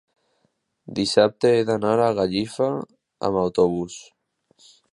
dissabte he d'anar a Gallifa amb autobús.